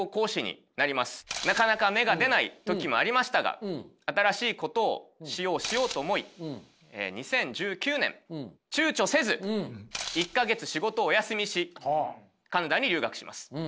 なかなか芽が出ない時もありましたが新しいことをしようしようと思い２０１９年躊躇せず１か月仕事をお休みしカナダに留学します。